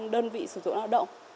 đơn vị sử dụng lao động